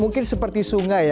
mungkin seperti sungai ya